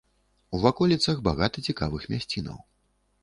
У ваколіцах багата цікавых мясцінаў.